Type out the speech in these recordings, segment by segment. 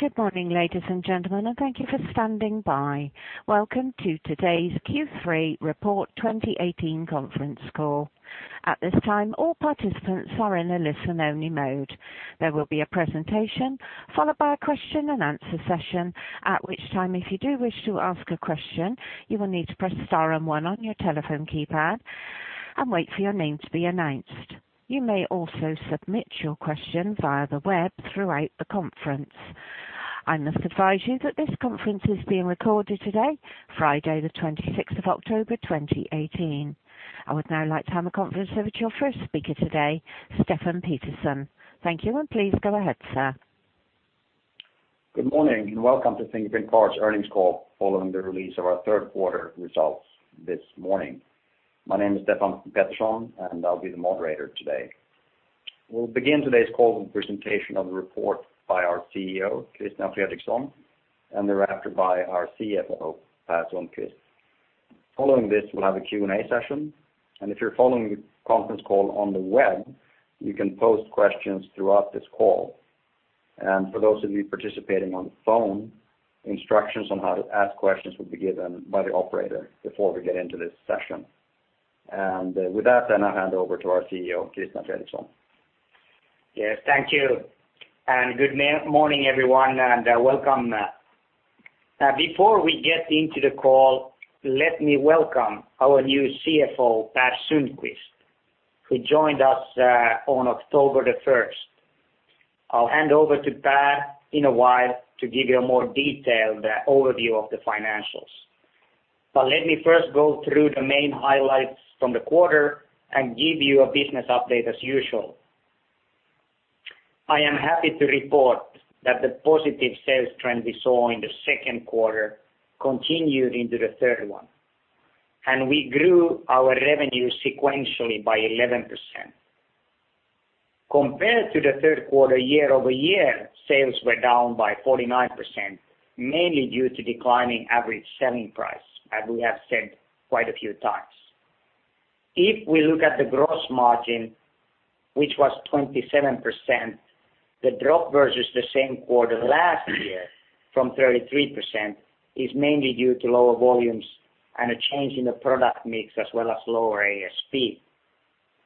Good morning, ladies and gentlemen, and thank you for standing by. Welcome to today's Q3 Report 2018 Conference Call. At this time, all participants are in a listen-only mode. There will be a presentation followed by a question and answer session, at which time, if you do wish to ask a question, you will need to press star and one on your telephone keypad and wait for your name to be announced. You may also submit your question via the web throughout the conference. I must advise you that this conference is being recorded today, Friday the 26th of October 2018. I would now like to hand the conference over to your first speaker today, Stefan Pettersson. Thank you, and please go ahead, sir. Good morning, and welcome to Fingerprint Cards earnings call following the release of our third quarter results this morning. My name is Stefan Pettersson, and I'll be the moderator today. We'll begin today's call with a presentation of the report by our CEO, Christian Fredriksson, and thereafter by our CFO, Per Sundqvist. Following this, we'll have a Q&A session. If you're following the conference call on the web, you can post questions throughout this call. For those of you participating on the phone, instructions on how to ask questions will be given by the operator before we get into this session. With that, I hand over to our CEO, Christian Fredriksson. Yes. Thank you, and good morning, everyone, and welcome. Before we get into the call, let me welcome our new CFO, Per Sundqvist, who joined us on October the 1st. I'll hand over to Per in a while to give you a more detailed overview of the financials. Let me first go through the main highlights from the quarter and give you a business update as usual. I am happy to report that the positive sales trend we saw in the second quarter continued into the third one. We grew our revenue sequentially by 11%. Compared to the third quarter year-over-year, sales were down by 49%, mainly due to declining average selling price, as we have said quite a few times. If we look at the gross margin, which was 27%, the drop versus the same quarter last year from 33% is mainly due to lower volumes and a change in the product mix as well as lower ASP.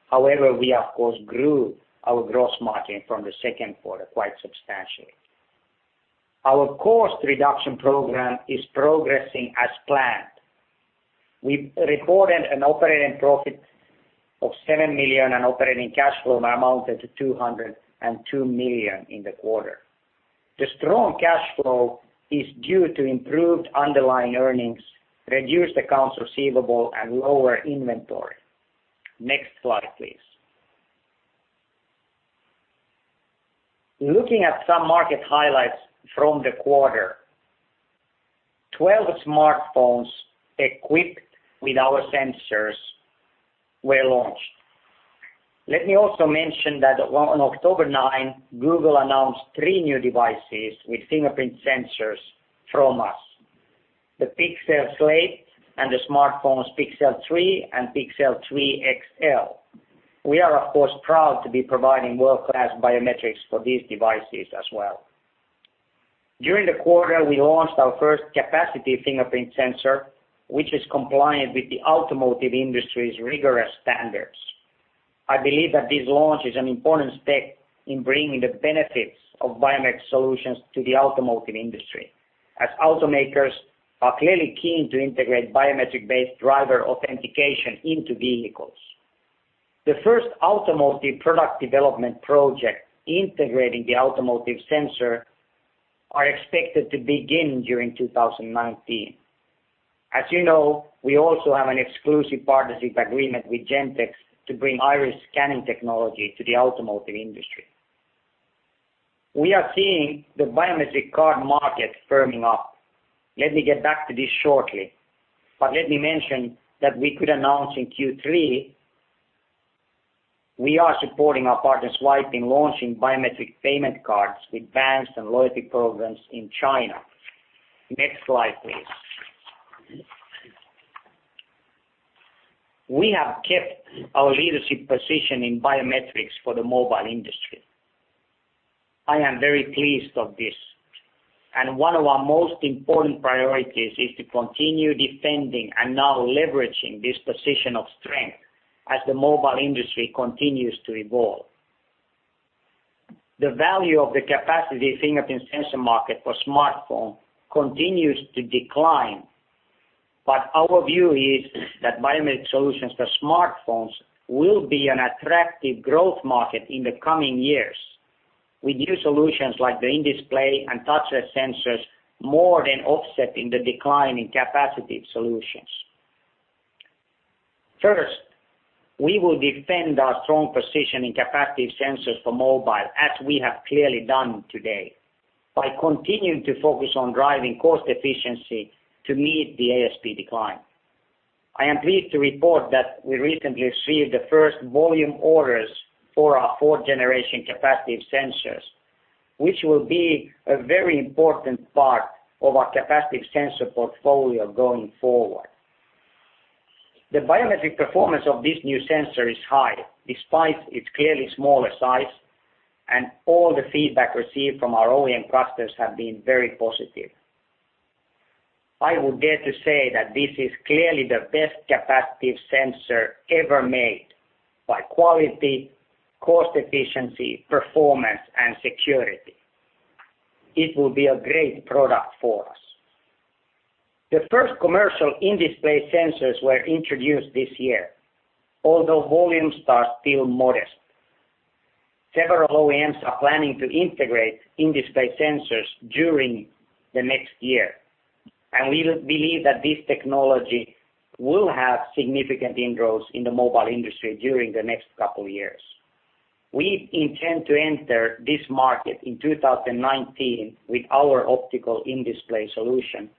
However, we of course grew our gross margin from the second quarter quite substantially. Our cost reduction program is progressing as planned. We reported an operating profit of 7 million and operating cash flow amounted to 202 million in the quarter. The strong cash flow is due to improved underlying earnings, reduced accounts receivable, and lower inventory. Next slide, please. Looking at some market highlights from the quarter, 12 smartphones equipped with our sensors were launched. Let me also mention that on October 9, Google announced three new devices with fingerprint sensors from us, the Pixel Slate and the smartphones Pixel 3 and Pixel 3 XL. We are, of course, proud to be providing world-class biometrics for these devices as well. During the quarter, we launched our first capacitive fingerprint sensor, which is compliant with the automotive industry's rigorous standards. I believe that this launch is an important step in bringing the benefits of biometric solutions to the automotive industry, as automakers are clearly keen to integrate biometric-based driver authentication into vehicles. The first automotive product development project integrating the automotive sensor are expected to begin during 2019. As you know, we also have an exclusive partnership agreement with Gentex to bring iris scanning technology to the automotive industry. We are seeing the biometric card market firming up. Let me get back to this shortly, but let me mention that we could announce in Q3 we are supporting our partners FEITIAN launching biometric payment cards with banks and loyalty programs in China. Next slide, please. We have kept our leadership position in biometrics for the mobile industry. I am very pleased of this. One of our most important priorities is to continue defending and now leveraging this position of strength as the mobile industry continues to evolve. The value of the capacitive fingerprint sensor market for smartphone continues to decline, but our view is that biometric solutions for smartphones will be an attractive growth market in the coming years with new solutions like the in-display and touchless sensors more than offsetting the decline in capacitive solutions. First, we will defend our strong position in capacitive sensors for mobile as we have clearly done today by continuing to focus on driving cost efficiency to meet the ASP decline. I am pleased to report that we recently received the first volume orders for our fourth generation capacitive sensors, which will be a very important part of our capacitive sensor portfolio going forward. The biometric performance of this new sensor is high despite its clearly smaller size, and all the feedback received from our OEM customers have been very positive. I would dare to say that this is clearly the best capacitive sensor ever made by quality, cost efficiency, performance, and security. It will be a great product for us. The first commercial in-display sensors were introduced this year. Although volumes are still modest, several OEMs are planning to integrate in-display sensors during the next year, and we believe that this technology will have significant inroads in the mobile industry during the next couple of years. We intend to enter this market in 2019 with our optical in-display solution,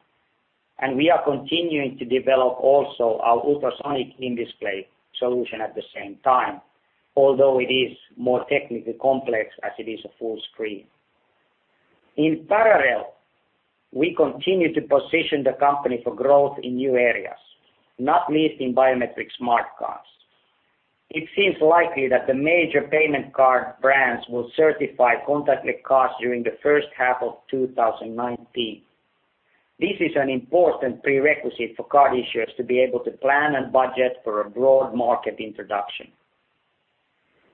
and we are continuing to develop also our ultrasonic in-display solution at the same time, although it is more technically complex as it is a full screen. In parallel, we continue to position the company for growth in new areas, not least in biometric smart cards. It seems likely that the major payment card brands will certify contactless cards during the first half of 2019. This is an important prerequisite for card issuers to be able to plan and budget for a broad market introduction.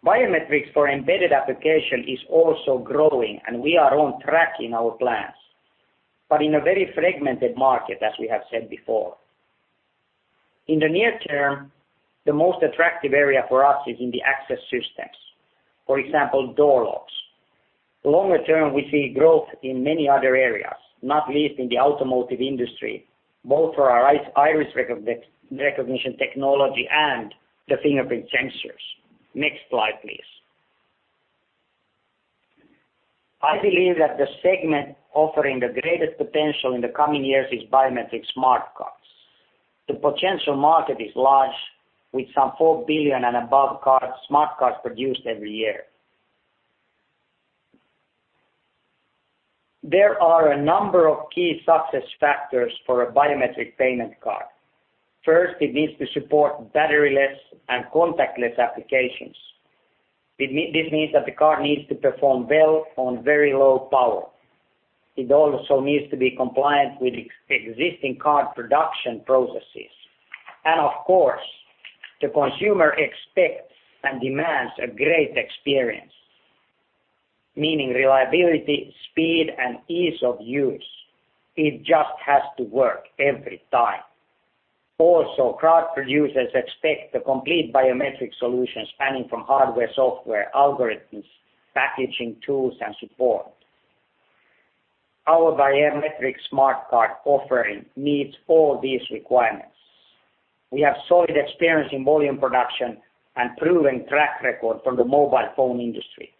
Biometrics for embedded application is also growing, and we are on track in our plans, but in a very fragmented market, as we have said before. In the near term, the most attractive area for us is in the access systems, for example, door locks. Longer term, we see growth in many other areas, not least in the automotive industry, both for our iris recognition technology and the fingerprint sensors. Next slide, please. I believe that the segment offering the greatest potential in the coming years is biometric smart cards. The potential market is large, with some 4 billion and above smart cards produced every year. There are a number of key success factors for a biometric payment card. First, it needs to support battery-less and contactless applications. This means that the card needs to perform well on very low power. It also needs to be compliant with existing card production processes. Of course, the consumer expects and demands a great experience, meaning reliability, speed, and ease of use. It just has to work every time. Also, card producers expect a complete biometric solution spanning from hardware, software, algorithms, packaging, tools, and support. Our biometric smart card offering meets all these requirements. We have solid experience in volume production and proven track record from the mobile phone industry,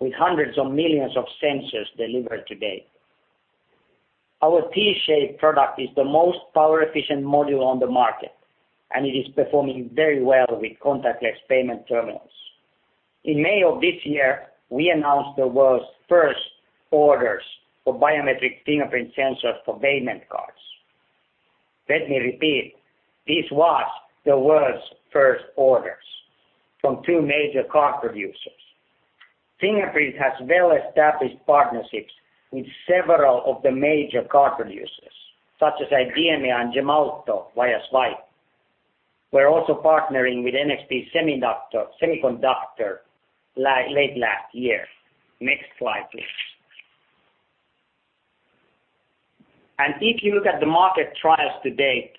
with hundreds of millions of sensors delivered to date. Our T-Shape product is the most power-efficient module on the market, and it is performing very well with contactless payment terminals. In May of this year, we announced the world's first orders for biometric fingerprint sensors for payment cards. Let me repeat, this was the world's first orders from two major card producers. Fingerprint has well-established partnerships with several of the major card producers, such as IDEMIA and Gemalto via Zwipe. We are also partnering with NXP Semiconductors late last year. Next slide, please. If you look at the market trials to date,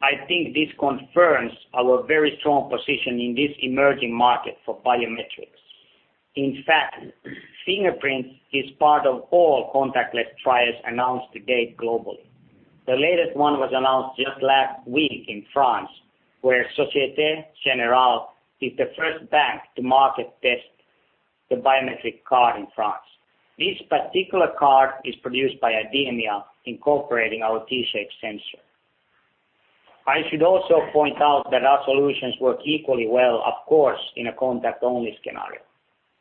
I think this confirms our very strong position in this emerging market for biometrics. In fact, Fingerprint is part of all contactless trials announced to date globally. The latest one was announced just last week in France, where Societe Generale is the first bank to market test the biometric card in France. This particular card is produced by IDEMIA, incorporating our T-Shape sensor. I should also point out that our solutions work equally well, of course, in a contact-only scenario.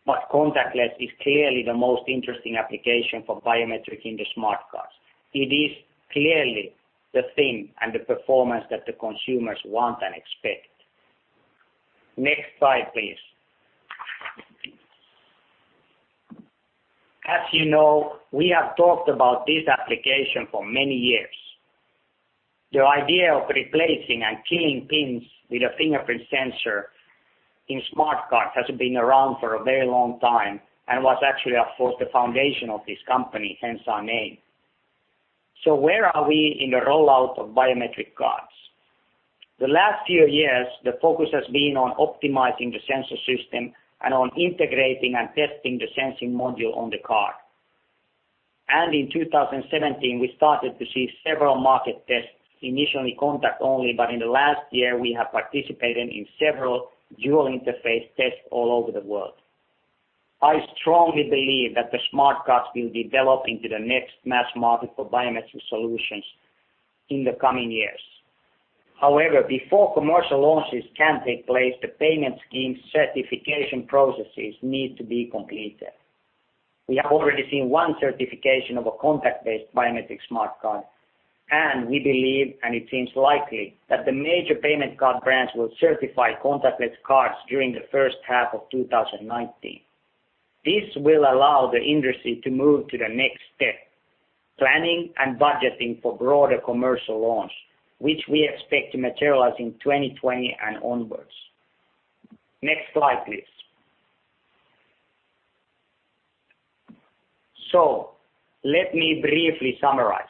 Contactless is clearly the most interesting application for biometric in the smart cards. It is clearly the thing and the performance that the consumers want and expect. Next slide, please. As you know, we have talked about this application for many years. The idea of replacing and killing pins with a fingerprint sensor in smart cards has been around for a very long time and was actually, of course, the foundation of this company, hence our name. Where are we in the rollout of biometric cards? The last few years, the focus has been on optimizing the sensor system and on integrating and testing the sensing module on the card. In 2017, we started to see several market tests, initially contact only, but in the last year, we have participated in several dual-interface tests all over the world. I strongly believe that the smart cards will develop into the next mass market for biometric solutions in the coming years. However, before commercial launches can take place, the payment scheme certification processes need to be completed. We have already seen one certification of a contact-based biometric smart card, and we believe, and it seems likely, that the major payment card brands will certify contactless cards during the first half of 2019. This will allow the industry to move to the next step, planning and budgeting for broader commercial launch, which we expect to materialize in 2020 and onwards. Next slide, please. Let me briefly summarize.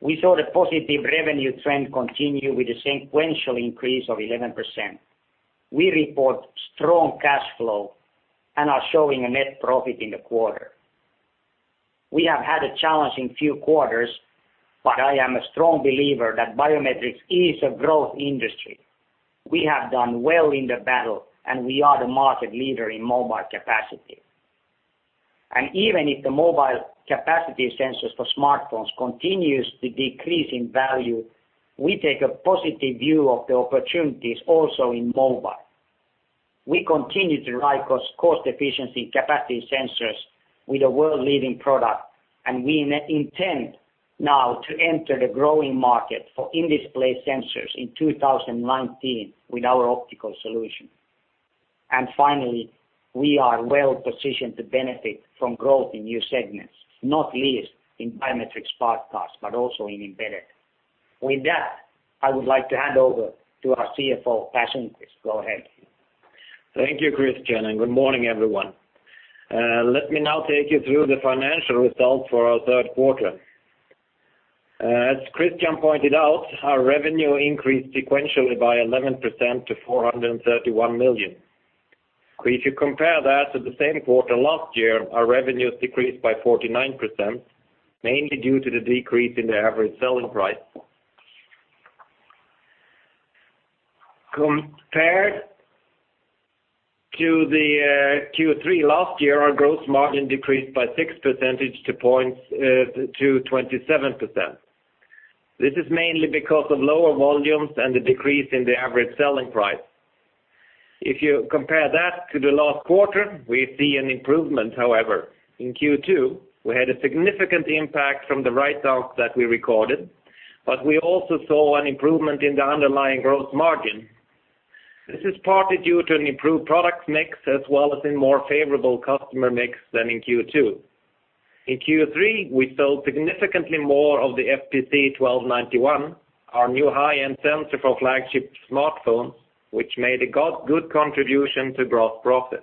We saw the positive revenue trend continue with a sequential increase of 11%. We report strong cash flow and are showing a net profit in the quarter. We have had a challenging few quarters, but I am a strong believer that biometrics is a growth industry. We have done well in the battle and we are the market leader in mobile capacitive. Even if the mobile capacitive sensors for smartphones continues to decrease in value, we take a positive view of the opportunities also in mobile. We continue to drive cost efficiency in capacitive sensors with a world-leading product, and we intend now to enter the growing market for in-display sensors in 2019 with our optical solution. Finally, we are well-positioned to benefit from growth in new segments, not least in biometric smart cards, but also in embedded. With that, I would like to hand over to our CFO, Per Sundqvist. Go ahead. Thank you, Christian, and good morning, everyone. Let me now take you through the financial results for our third quarter. As Christian pointed out, our revenue increased sequentially by 11% to 431 million. If you compare that to the same quarter last year, our revenues decreased by 49%, mainly due to the decrease in the average selling price. Compared to the Q3 last year, our gross margin decreased by six percentage to 27%. This is mainly because of lower volumes and the decrease in the average selling price. If you compare that to the last quarter, we see an improvement, however. In Q2, we had a significant impact from the write-offs that we recorded, but we also saw an improvement in the underlying gross margin. This is partly due to an improved product mix, as well as a more favorable customer mix than in Q2. In Q3, we sold significantly more of the FPC1291, our new high-end sensor for flagship smartphones, which made a good contribution to gross profits.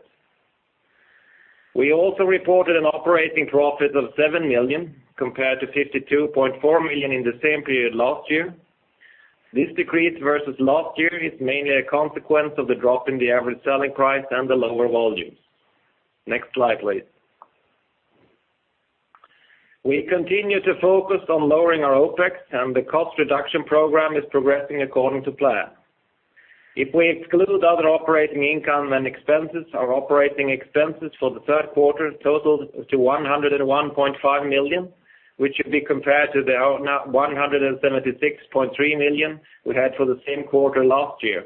We also reported an operating profit of 7 million, compared to 52.4 million in the same period last year. This decrease versus last year is mainly a consequence of the drop in the average selling price and the lower volumes. Next slide, please. We continue to focus on lowering our OPEX. The cost reduction program is progressing according to plan. If we exclude other operating income and expenses, our operating expenses for the third quarter totaled to 101.5 million, which should be compared to the 176.3 million we had for the same quarter last year,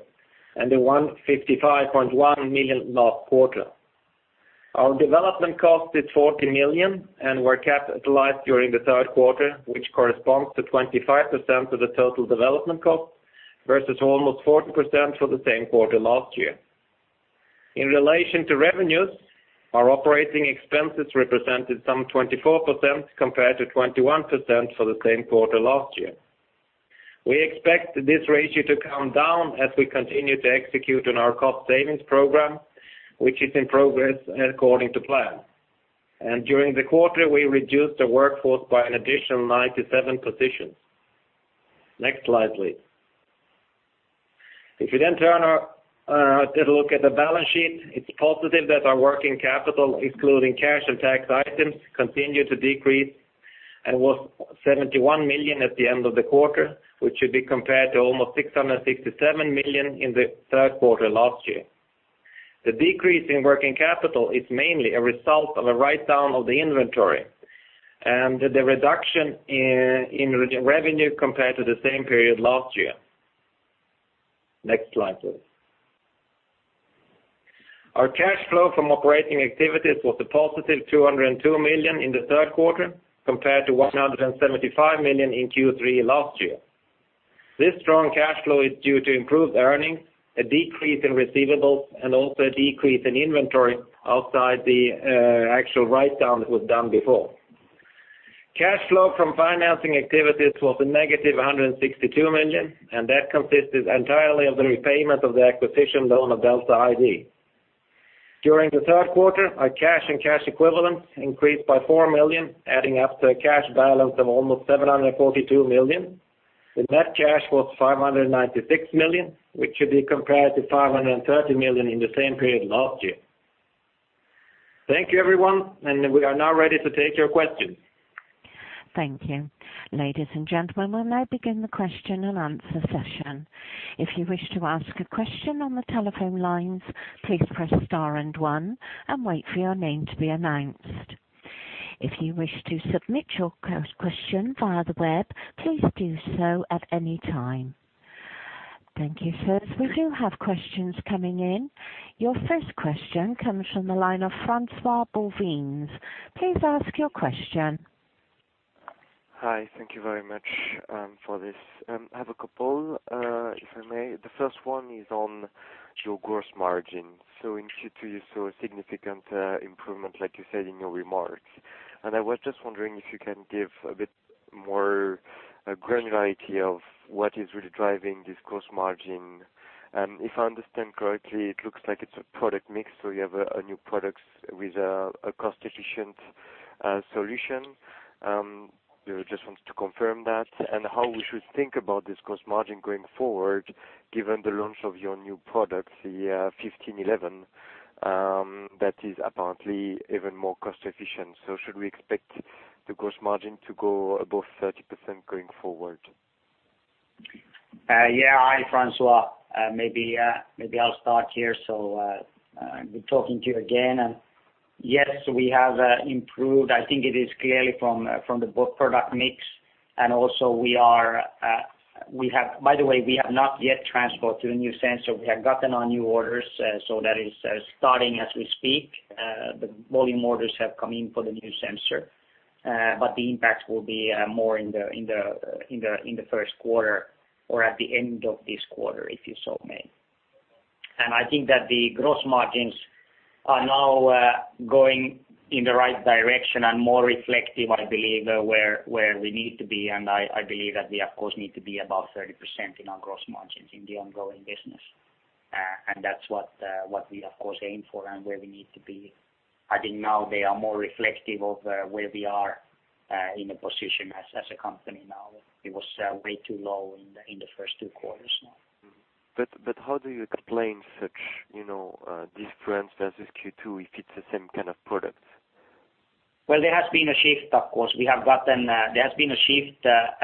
and the 155.1 million last quarter. Our development cost is 40 million and were capitalized during the third quarter, which corresponds to 25% of the total development cost versus almost 40% for the same quarter last year. In relation to revenues, our operating expenses represented some 24% compared to 21% for the same quarter last year. We expect this ratio to come down as we continue to execute on our cost savings program, which is in progress according to plan. During the quarter, we reduced the workforce by an additional 97 positions. Next slide, please. If you take a look at the balance sheet, it's positive that our working capital, excluding cash and tax items, continued to decrease and was 71 million at the end of the quarter, which should be compared to almost 667 million in the third quarter last year. The decrease in working capital is mainly a result of a write-down of the inventory and the reduction in revenue compared to the same period last year. Next slide, please. Our cash flow from operating activities was a positive 202 million in the third quarter, compared to 175 million in Q3 last year. This strong cash flow is due to improved earnings, a decrease in receivables, and also a decrease in inventory outside the actual write-down that was done before. Cash flow from financing activities was a negative 162 million, and that consisted entirely of the repayment of the acquisition loan of Delta ID. During the third quarter, our cash and cash equivalents increased by 4 million, adding up to a cash balance of almost 742 million. The net cash was 596 million, which should be compared to 530 million in the same period last year. Thank you, everyone, and we are now ready to take your questions. Thank you. Ladies and gentlemen, we'll now begin the question and answer session. If you wish to ask a question on the telephone lines, please press star and one and wait for your name to be announced. If you wish to submit your question via the web, please do so at any time. Thank you, sir. We do have questions coming in. Your first question comes from the line of François Boissin. Please ask your question. Hi, thank you very much for this. I have a couple if I may. The first one is on your gross margin. In Q2, you saw a significant improvement, like you said in your remarks. I was just wondering if you can give a bit more granularity of what is really driving this gross margin. If I understand correctly, it looks like it's a product mix, so you have new products with a cost-efficient solution. Just wanted to confirm that and how we should think about this gross margin going forward, given the launch of your new product, the FPC1511, that is apparently even more cost efficient. Should we expect the gross margin to go above 30% going forward? Hi, François. Maybe I'll start here. Good talking to you again. Yes, we have improved. I think it is clearly from the product mix, and also by the way, we have not yet transferred to the new sensor. We have gotten on new orders, so that is starting as we speak. The volume orders have come in for the new sensor. The impact will be more in the first quarter or at the end of this quarter, if you so may. I think that the gross margins are now going in the right direction and more reflective, I believe, where we need to be. I believe that we, of course, need to be above 30% in our gross margins in the ongoing business. That's what we, of course, aim for and where we need to be. I think now they are more reflective of where we are in a position as a company now. It was way too low in the first two quarters now. How do you explain such difference versus Q2 if it's the same kind of product? Well, there has been a shift, of course. I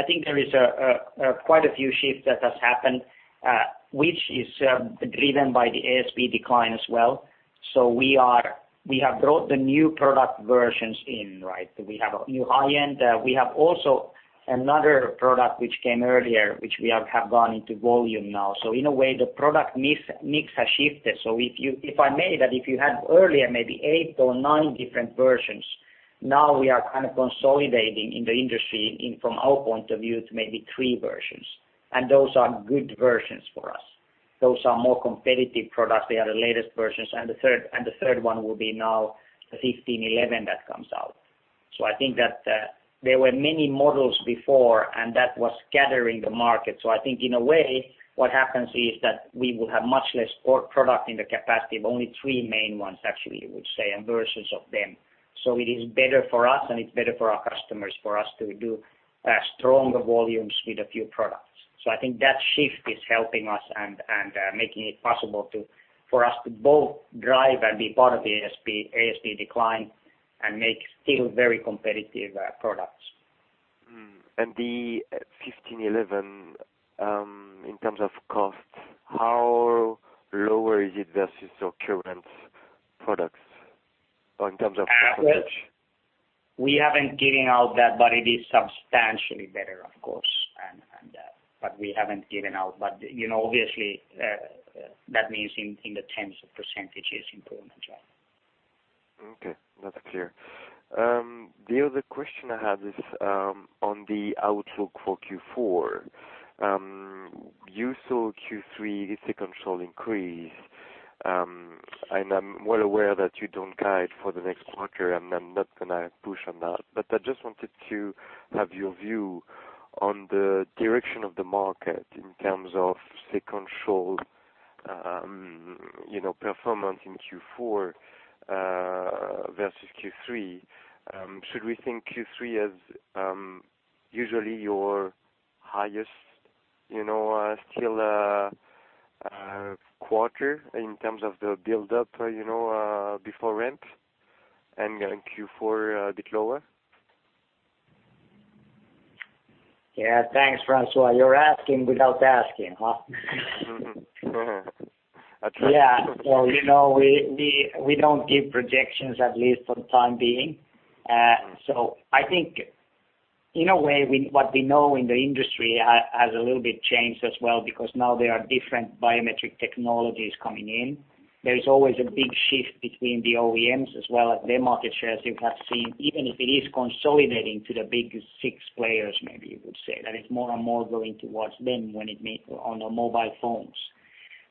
think there is quite a few shifts that has happened, which is driven by the ASP decline as well. We have brought the new product versions in, right? We have a new high-end. We have also another product which came earlier, which we have gone into volume now. In a way, the product mix has shifted. If I may, that if you had earlier maybe eight or nine different versions, now we are kind of consolidating in the industry in, from our point of view, to maybe three versions. Those are good versions for us. Those are more competitive products. They are the latest versions. The third one will be now the FPC1511 that comes out. I think that there were many models before, and that was scattering the market. I think in a way, what happens is that we will have much less product in the capacity of only three main ones actually, I would say, and versions of them. It is better for us and it's better for our customers for us to do stronger volumes with a few products. I think that shift is helping us and making it possible for us to both drive and be part of the ASP decline and make still very competitive products. The FPC1511, in terms of cost, how lower is it versus your current products or in terms of %? We haven't given out that, but it is substantially better of course. We haven't given out. Obviously, that means in the tens of % improvement. Okay. That's clear. The other question I have is on the outlook for Q4. You saw Q3 sequential increase. I'm well aware that you don't guide for the next quarter, and I'm not going to push on that. I just wanted to have your view on the direction of the market in terms of sequential performance in Q4 versus Q3. Should we think Q3 as usually your highest still quarter in terms of the buildup before ramp and Q4 a bit lower? Yeah. Thanks, François. You're asking without asking, huh? That's right. Yeah. We don't give projections, at least for the time being. I think in a way, what we know in the industry has a little bit changed as well because now there are different biometric technologies coming in. There is always a big shift between the OEMs as well as their market shares you have seen, even if it is consolidating to the big six players, maybe you would say, that it's more and more going towards them on the mobile phones.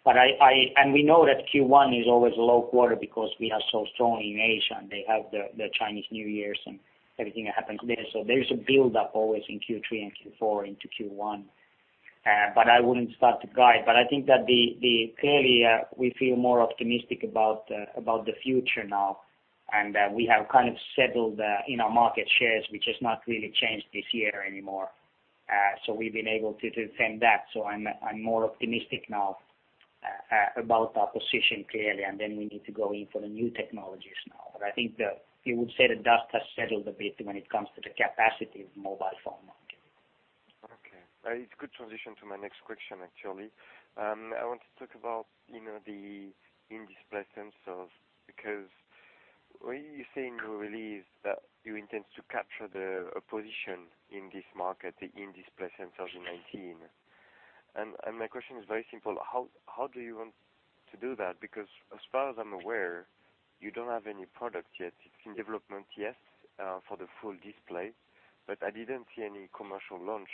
We know that Q1 is always a low quarter because we are so strong in Asia, and they have the Chinese New Year and everything that happens there. There's a buildup always in Q3 and Q4 into Q1. I wouldn't start to guide, but I think that clearly, we feel more optimistic about the future now, and we have kind of settled in our market shares, which has not really changed this year anymore. We've been able to defend that. I'm more optimistic now about our position, clearly, and then we need to go in for the new technologies now. I think you would say the dust has settled a bit when it comes to the capacitive mobile phone market. Okay. It's good transition to my next question, actually. I want to talk about the in-display sensors because when you say in your release that you intend to capture the opposition in this market, the in-display sensor 2019. My question is very simple. How do you want to do that? Because as far as I'm aware, you don't have any product yet. It's in development, yes, for the full display, but I didn't see any commercial launch,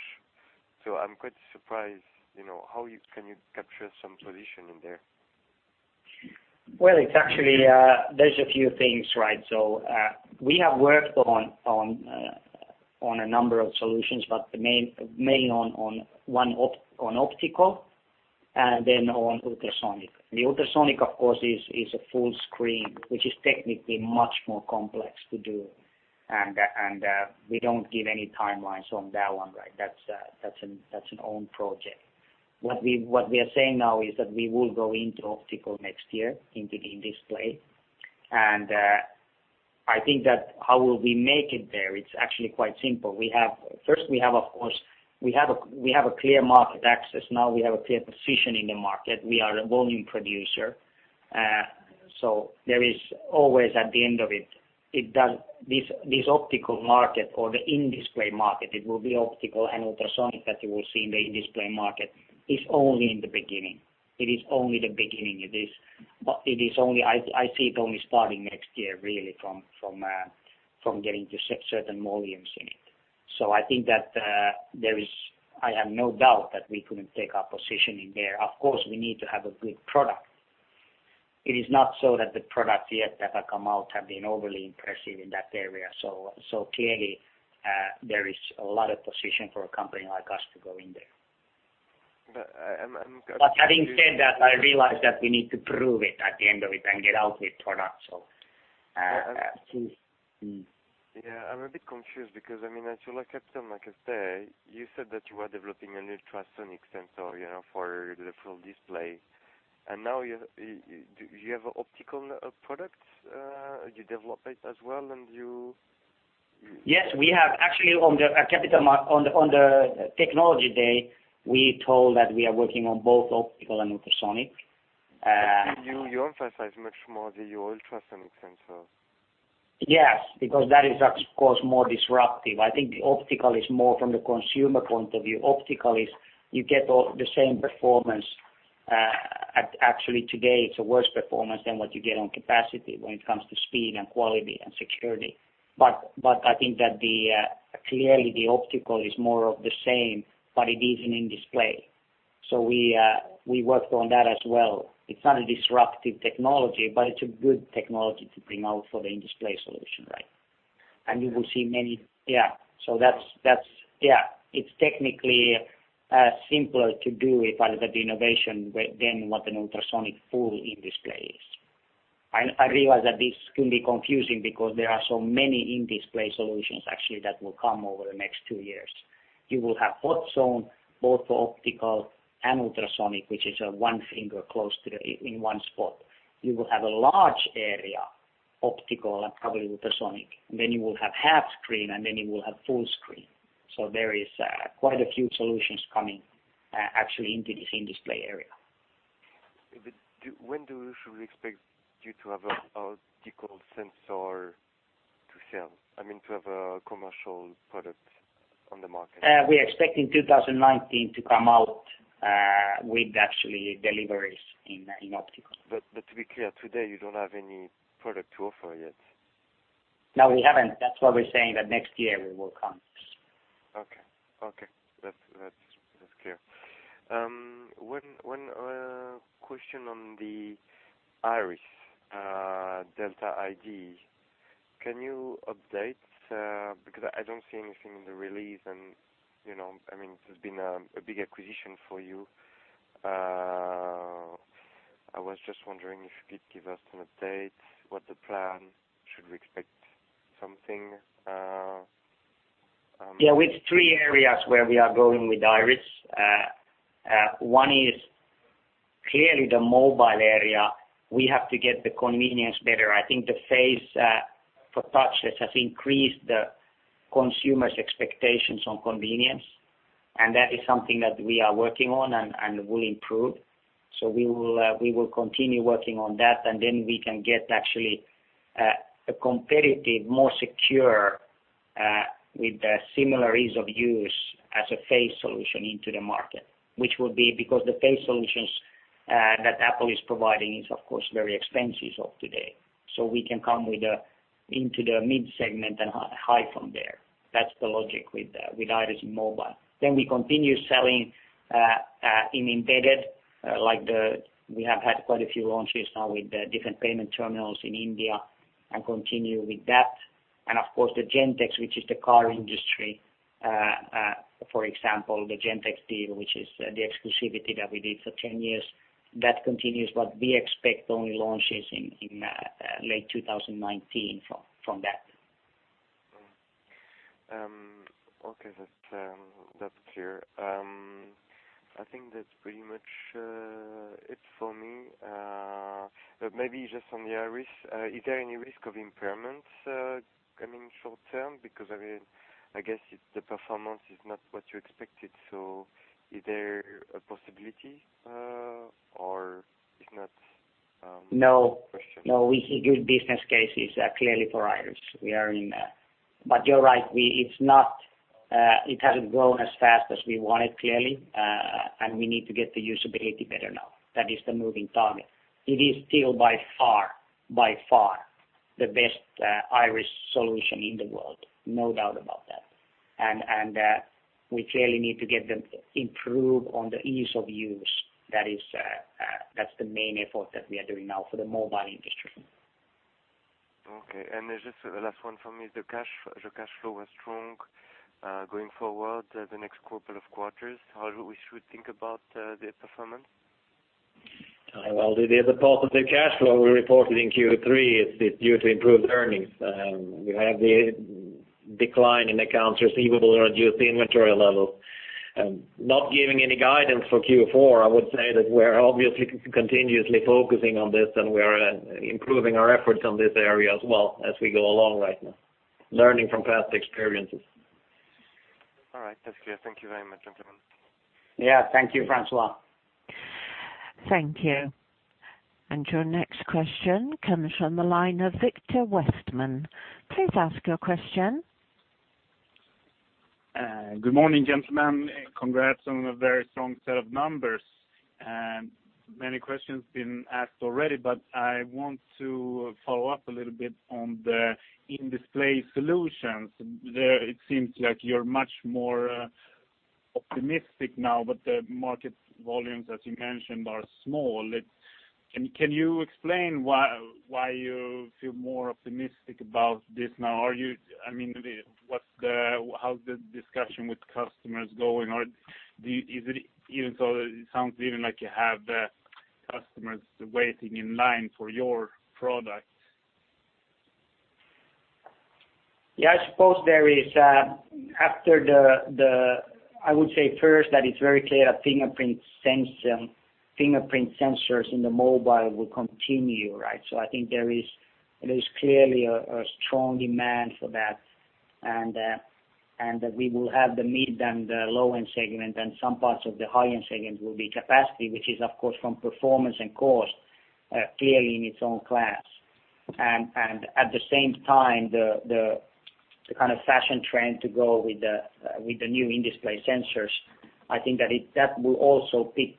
so I'm quite surprised, how can you capture some position in there? Well, there's a few things. We have worked on a number of solutions, but mainly on optical and then on ultrasonic. The ultrasonic, of course, is a full screen, which is technically much more complex to do. We don't give any timelines on that one. That's an own project. What we are saying now is that we will go into optical next year, into the in-display. I think that how will we make it there, it's actually quite simple. First, we have a clear market access. Now we have a clear position in the market. We are a volume producer. There is always at the end of it, this optical market or the in-display market, it will be optical and ultrasonic that you will see in the in-display market, is only in the beginning. It is only the beginning. I see it only starting next year really from getting to certain volumes in it. I think that I have no doubt that we couldn't take our position in there. Of course, we need to have a good product. It is not so that the products yet that have come out have been overly impressive in that area. Clearly, there is a lot of position for a company like us to go in there. But I'm- Having said that, I realize that we need to prove it at the end of it and get out the product. Yes. Yeah, I'm a bit confused because, as you look at them, like I say, you said that you are developing an ultrasonic sensor for the full display. Now you have optical products, you develop it as well, and you. Yes, we have. Actually on the technology day, we told that we are working on both optical and ultrasonic. You emphasize much more the ultrasonic sensor. Yes, because that is, of course, more disruptive. I think the optical is more from the consumer point of view. Optical is you get the same performance, actually today, it's a worse performance than what you get on capacitive when it comes to speed and quality and security. I think that clearly the optical is more of the same, but it is an in-display. We worked on that as well. It's not a disruptive technology, but it's a good technology to bring out for the in-display solution. You will see many, yeah. It's technically simpler to do it under the in-display than what an ultrasonic full in-display is. I realize that this can be confusing because there are so many in-display solutions actually that will come over the next two years. You will have hot-zone, both optical and ultrasonic, which is a one finger close in one spot. You will have a large area, optical and probably ultrasonic. You will have half screen, you will have full screen. There is quite a few solutions coming actually into this in-display area. When do we usually expect you to have an optical sensor to sell? I mean, to have a commercial product on the market. We expect in 2019 to come out with actually deliveries in optical. To be clear, today, you don't have any product to offer yet? No, we haven't. That's why we're saying that next year we will come. Okay. That's clear. One question on the Iris Delta ID. Can you update? I don't see anything in the release. This has been a big acquisition for you. I was just wondering if you could give us an update, what the plan, should we expect something? With three areas where we are going with Iris. One is clearly the mobile area. We have to get the convenience better. I think the face for touchless has increased the consumer's expectations on convenience, and that is something that we are working on and will improve. We will continue working on that, and then we can get actually a competitive, more secure, with similar ease of use as a face solution into the market. Which will be because the face solutions that Apple is providing is, of course, very expensive of today. We can come into the mid-segment and high from there. That's the logic with Iris in mobile. Then we continue selling in embedded, like we have had quite a few launches now with the different payment terminals in India and continue with that. Of course, the Gentex, which is the car industry, for example, the Gentex deal, which is the exclusivity that we did for 10 years, that continues. We expect only launches in late 2019 from that. Okay. That's clear. I think that's pretty much it for me. Maybe just on the Iris, is there any risk of impairment? Coming short term, because I guess the performance is not what you expected, is there a possibility, or it's not? No. Question. No, we see good business cases clearly for Iris. You're right, it hasn't grown as fast as we wanted, clearly, and we need to get the usability better now. That is the moving target. It is still by far the best iris solution in the world, no doubt about that. We clearly need to get them improved on the ease of use. That's the main effort that we are doing now for the mobile industry. Okay. There's just the last one for me, the cash flow was strong, going forward the next couple of quarters, how we should think about the performance? Well, the positive cash flow we reported in Q3 is due to improved earnings. We have the decline in accounts receivable or reduced inventory level. Not giving any guidance for Q4, I would say that we're obviously continuously focusing on this, and we are improving our efforts on this area as well as we go along right now, learning from past experiences. All right. That's clear. Thank you very much, gentlemen. Yeah. Thank you, François. Thank you. Your next question comes from the line of Victor Westmann. Please ask your question. Good morning, gentlemen. Congrats on a very strong set of numbers. Many questions been asked already, but I want to follow up a little bit on the in-display solutions. There, it seems like you're much more optimistic now, but the market volumes, as you mentioned, are small. Can you explain why you feel more optimistic about this now? How's the discussion with customers going? It sounds even like you have customers waiting in line for your product. Yeah, I suppose there is. I would say first that it's very clear that fingerprint sensors in the mobile will continue, right? I think there is clearly a strong demand for that, and that we will have the mid and the low-end segment, and some parts of the high-end segment will be capacitive, which is, of course, from performance and cost, clearly in its own class. At the same time, the kind of fashion trend to go with the new in-display sensors, I think that will also pick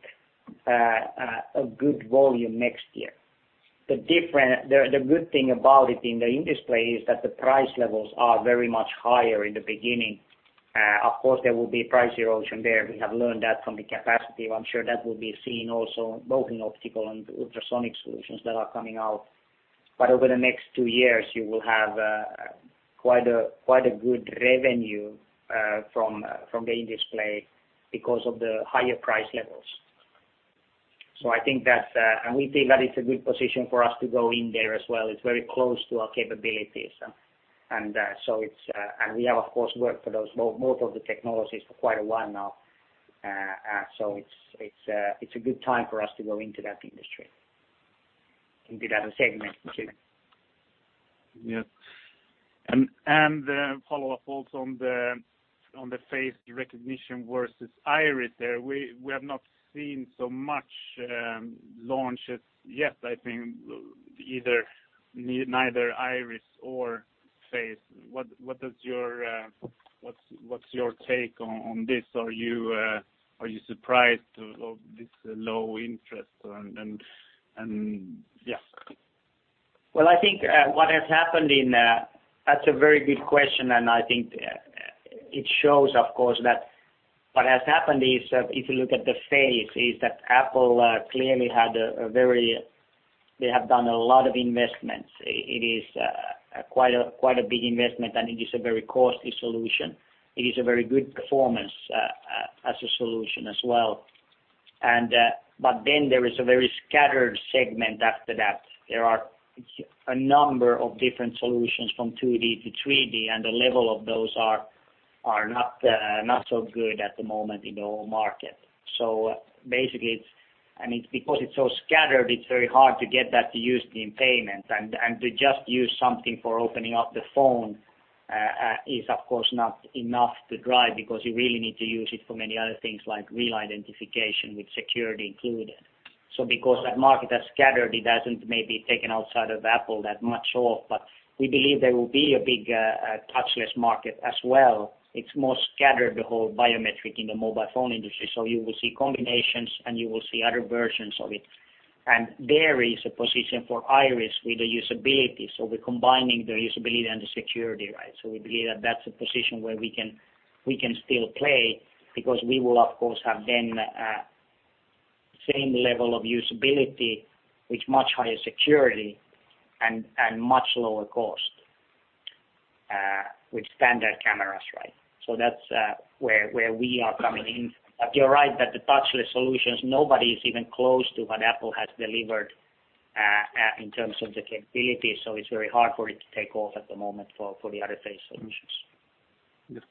a good volume next year. The good thing about it in the industry is that the price levels are very much higher in the beginning. Of course, there will be price erosion there. We have learned that from the capacitive. I'm sure that will be seen also both in optical and ultrasonic solutions that are coming out. Over the next two years, you will have quite a good revenue from the in-display because of the higher price levels. We feel that it's a good position for us to go in there as well. It's very close to our capabilities. We have, of course, worked for those, both of the technologies for quite a while now. It's a good time for us to go into that industry, into that segment too. Yes. Follow up also on the face recognition versus Iris there, we have not seen so much launches yet, I think, neither Iris or face. What's your take on this? Are you surprised of this low interest? That's a very good question, I think it shows, of course, that what has happened is, if you look at the face, is that Apple clearly they have done a lot of investments. It is quite a big investment, and it is a very costly solution. It is a very good performance as a solution as well. There is a very scattered segment after that. There are a number of different solutions from 2D to 3D, and the level of those are not so good at the moment in the whole market. Basically, because it's so scattered, it's very hard to get that used in payment, and to just use something for opening up the phone is, of course, not enough to drive because you really need to use it for many other things like real identification with security included. Because that market has scattered, it hasn't maybe taken outside of Apple that much off, but we believe there will be a big touchless market as well. It's more scattered, the whole biometric in the mobile phone industry. You will see combinations, and you will see other versions of it. There is a position for Iris with the usability. We're combining the usability and the security, right? We believe that that's a position where we can still play because we will, of course, have then same level of usability with much higher security and much lower cost with standard cameras, right? That's where we are coming in. You're right that the touchless solutions, nobody is even close to what Apple has delivered in terms of the capability, so it's very hard for it to take off at the moment for the other face solutions. Yes.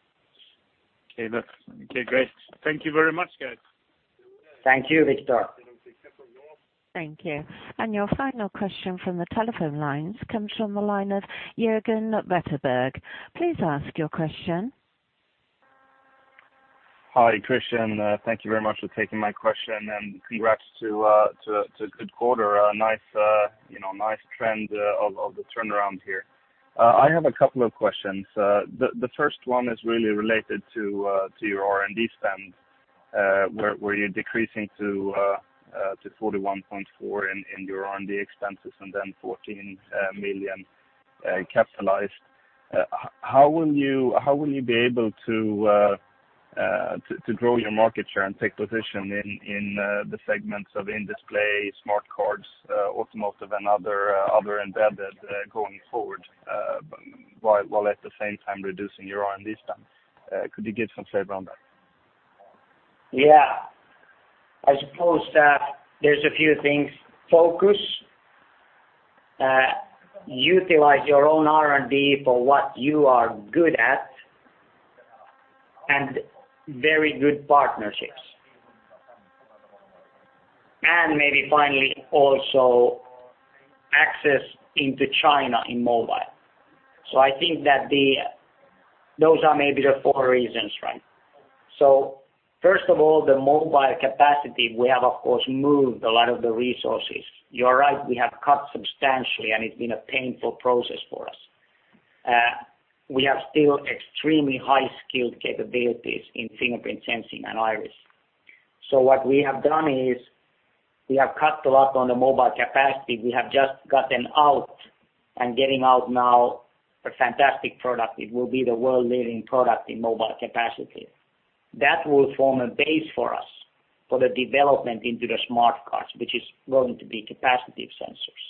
Okay, great. Thank you very much, guys. Thank you, Victor. Thank you. Your final question from the telephone lines comes from the line of Jörgen Wetterberg. Please ask your question. Hi, Christian. Thank you very much for taking my question, congrats to a good quarter. A nice trend of the turnaround here. I have a couple of questions. The first one is really related to your R&D spend, where you're decreasing to 41.4 in your R&D expenses and then 40 million capitalized. How will you be able to grow your market share and take position in the segments of in-display, smart cards, automotive, and other embedded going forward, while at the same time reducing your R&D spend? Could you give some flavor on that? Yeah. I suppose that there's a few things. Focus, utilize your own R&D for what you are good at, and very good partnerships. Maybe finally, also access into China in mobile. I think that those are maybe the four reasons. First of all, the mobile capacitive, we have, of course, moved a lot of the resources. You are right, we have cut substantially, and it's been a painful process for us. We have still extremely high-skilled capabilities in Fingerprint Cards and Iris. What we have done is we have cut a lot on the mobile capacitive. We have just gotten out and getting out now a fantastic product. It will be the world-leading product in mobile capacitive. That will form a base for us for the development into the smart cards, which is going to be capacitive sensors.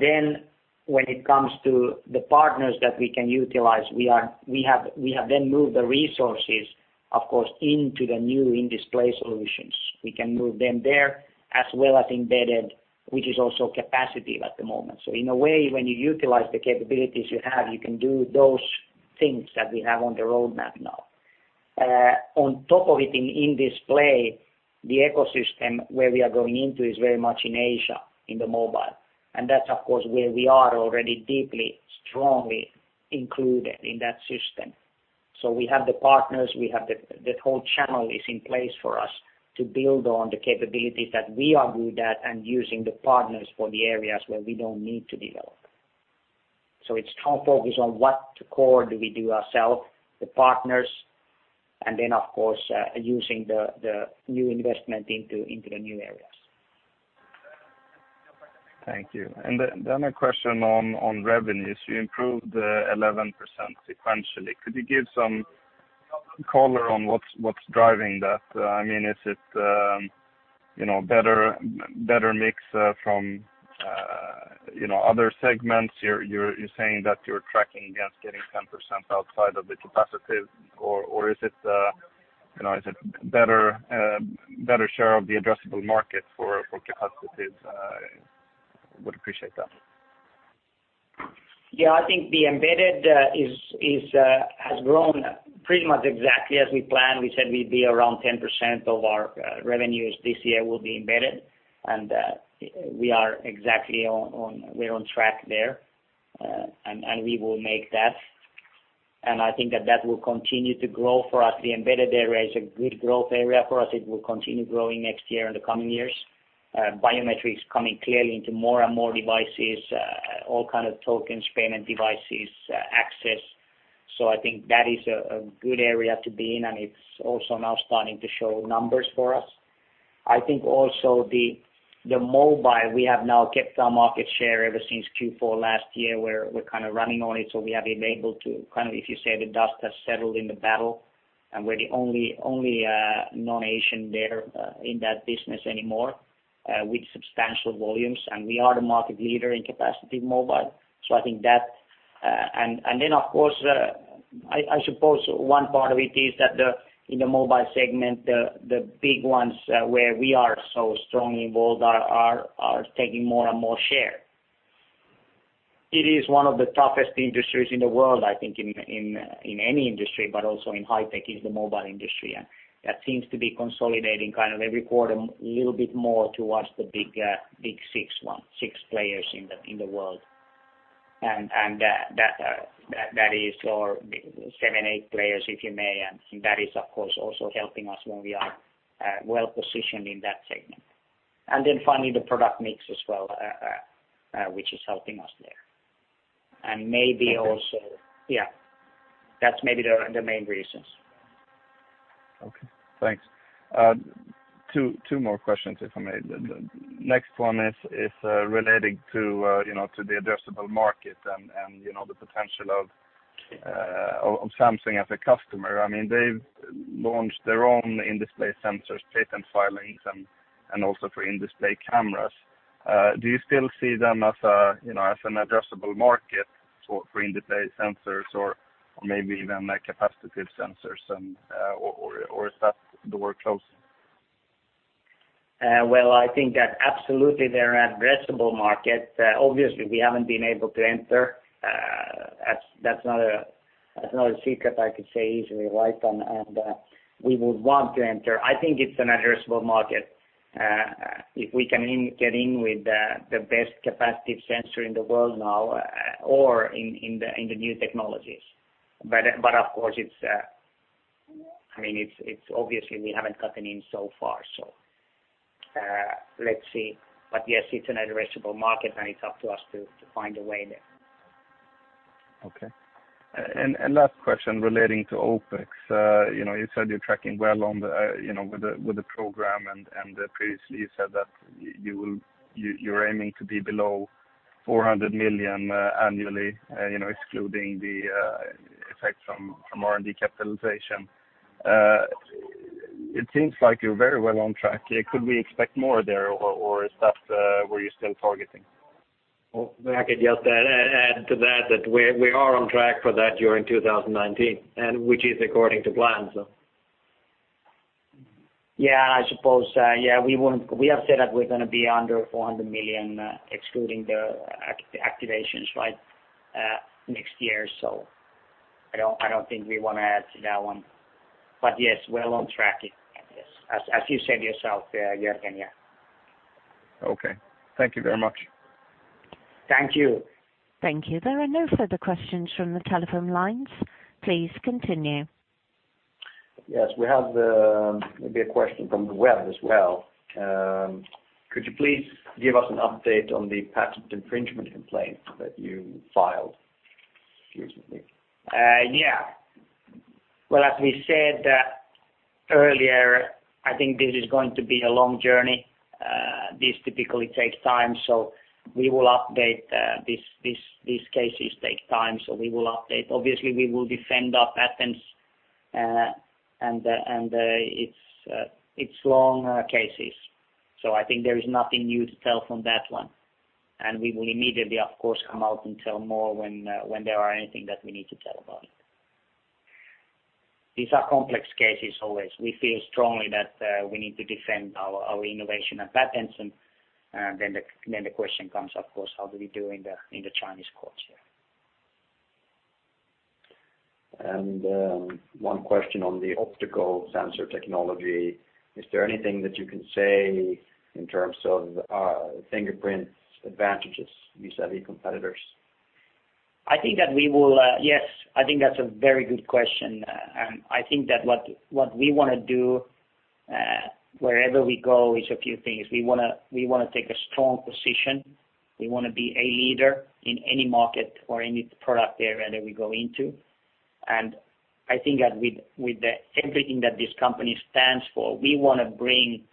Then when it comes to the partners that we can utilize, we have then moved the resources, of course, into the new in-display solutions. We can move them there, as well as embedded, which is also capacitive at the moment. In a way, when you utilize the capabilities you have, you can do those things that we have on the roadmap now. On top of it in in-display, the ecosystem where we are going into is very much in Asia, in mobile. That's, of course, where we are already deeply, strongly included in that system. We have the partners, we have the whole channel is in place for us to build on the capabilities that we are good at and using the partners for the areas where we don't need to develop. It's strong focus on what core do we do ourselves, the partners, and then, of course, using the new investment into the new areas. Thank you. Then a question on revenues. You improved 11% sequentially. Could you give some color on what's driving that? Is it better mix from other segments? You're saying that you're tracking against getting 10% outside of the capacitive, or is it better share of the addressable market for capacitive? Would appreciate that. I think the embedded has grown pretty much exactly as we planned. We said we'd be around 10% of our revenues this year will be embedded, and we are exactly on track there. We will make that. I think that that will continue to grow for us. The embedded area is a good growth area for us. It will continue growing next year in the coming years. Biometrics coming clearly into more and more devices, all kind of tokens, payment devices, access. I think that is a good area to be in, and it's also now starting to show numbers for us. I think also the mobile, we have now kept our market share ever since Q4 last year, where we're kind of running on it. We have been able to kind of, if you say the dust has settled in the battle, we're the only non-Asian there in that business anymore, with substantial volumes, we are the market leader in capacitive mobile. I think that. Then, of course, I suppose one part of it is that in the mobile segment, the big ones where we are so strongly involved are taking more and more share. It is one of the toughest industries in the world, I think in any industry, but also in high tech, is the mobile industry, and that seems to be consolidating kind of every quarter, a little bit more towards the big six players in the world. Seven, eight players, if you may, that is, of course, also helping us when we are well-positioned in that segment. Then finally, the product mix as well, which is helping us there. Maybe also. That's maybe the main reasons. Thanks. Two more questions, if I may. The next one is relating to the addressable market and the potential of Samsung as a customer. They've launched their own in-display sensors, patent filings, and also for in-display cameras. Do you still see them as an addressable market for in-display sensors or maybe even capacitive sensors, or is that door closing? Well, I think that absolutely they're an addressable market. Obviously, we haven't been able to enter. That's not a secret I could say easily. We would want to enter. I think it's an addressable market, if we can get in with the best capacitive sensor in the world now or in the new technologies. Of course, obviously we haven't gotten in so far, so let's see. Yes, it's an addressable market, and it's up to us to find a way there. Okay. Last question relating to OpEx. You said you're tracking well with the program, and previously you said that you're aiming to be below 400 million annually, excluding the effect from R&D capitalization. It seems like you're very well on track. Could we expect more there, or is that where you're still targeting? Well, I could just add to that we are on track for that during 2019, which is according to plan. Yeah, I suppose. We have said that we're going to be under 400 million, excluding the activations, next year. I don't think we want to add to that one. Yes, we're on track. As you said yourself, Jörgen. Okay. Thank you very much. Thank you. Thank you. There are no further questions from the telephone lines. Please continue. Yes, we have maybe a question from the web as well. Could you please give us an update on the patent infringement complaint that you filed recently? Yeah. Well, as we said earlier, I think this is going to be a long journey. These typically take time, so we will update. These cases take time, so we will update. Obviously, we will defend our patents, and it's long cases. I think there is nothing new to tell from that one. We will immediately, of course, come out and tell more when there are anything that we need to tell about it. These are complex cases always. We feel strongly that we need to defend our innovation and patents, and then the question comes, of course, how do we do in the Chinese courts, yeah. One question on the optical sensor technology. Is there anything that you can say in terms of Fingerprint's advantages vis-a-vis competitors? Yes, I think that's a very good question. I think that what we want to do wherever we go is a few things. We want to take a strong position. We want to be a leader in any market or any product area that we go into. I think that with everything that this company stands for, we want to bring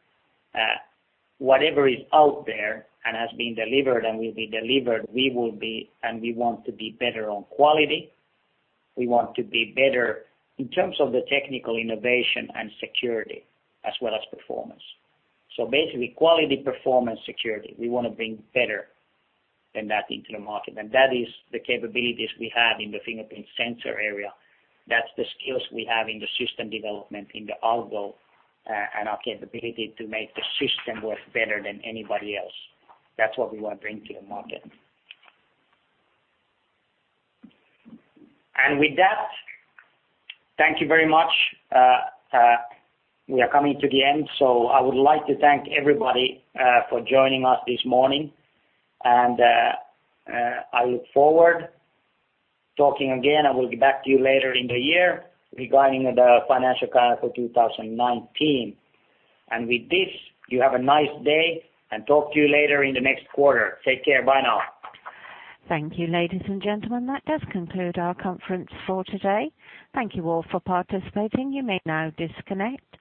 whatever is out there and has been delivered and will be delivered, and we want to be better on quality. We want to be better in terms of the technical innovation and security as well as performance. Basically, quality, performance, security, we want to bring better than that into the market. That is the capabilities we have in the fingerprint sensor area. That's the skills we have in the system development in the algo, and our capability to make the system work better than anybody else. That's what we want to bring to the market. With that, thank you very much. We are coming to the end, so I would like to thank everybody for joining us this morning, and I look forward talking again. I will be back to you later in the year regarding the financial calendar for 2019. With this, you have a nice day, and talk to you later in the next quarter. Take care. Bye now. Thank you, ladies and gentlemen. That does conclude our conference for today. Thank you all for participating. You may now disconnect.